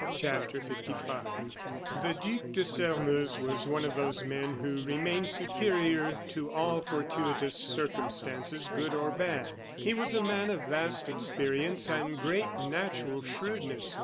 CHAPTER LV The Duc de Sairmeuse was one of those men who remain superior to all fortuitous circumstances, good or bad. He was a man of vast experience, and great natural shrewdness.